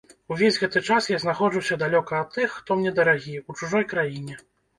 Увесь гэты час я знаходжуся далёка ад тых, хто мне дарагі, у чужой краіне.